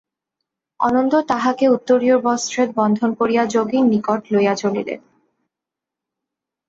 অনন্তর তাহাকে উত্তরীয়বস্ত্রে বন্ধন করিয়া যোগীর নিকট লইয়া চলিলেন।